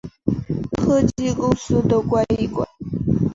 科技公司都关一关